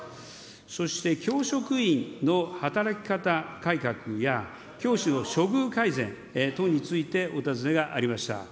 そして、教職員の働き方改革や、教師の処遇改善等についてお尋ねがありました。